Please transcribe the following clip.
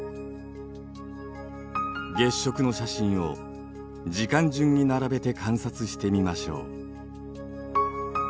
月食の写真を時間順に並べて観察してみましょう。